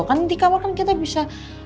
kan di kamar kan kita bisa